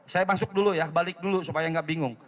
saya masuk dulu ya balik dulu supaya nggak bingung